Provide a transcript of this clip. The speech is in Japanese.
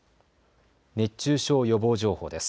熱中症予防情報です。